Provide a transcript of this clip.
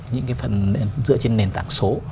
những phần dựa trên nền tảng số